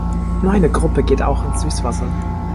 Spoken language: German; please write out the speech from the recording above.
Nur eine Gruppe geht auch ins Süßwasser.